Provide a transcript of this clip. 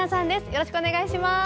よろしくお願いします。